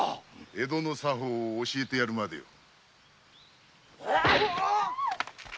江戸の作法を教えてやるまでよ。